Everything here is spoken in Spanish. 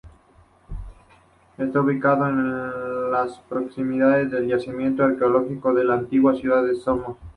Está ubicado en las proximidades del yacimiento arqueológico de la antigua ciudad de Samos.